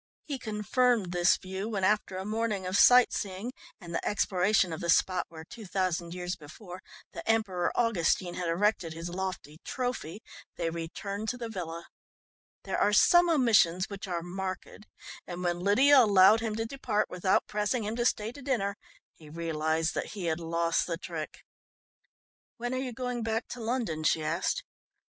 He confirmed this view when after a morning of sight seeing and the exploration of the spot where, two thousand years before, the Emperor Augustine had erected his lofty "trophy," they returned to the villa. There are some omissions which are marked, and when Lydia allowed him to depart without pressing him to stay to dinner he realised that he had lost the trick. "When are you going back to London?" she asked.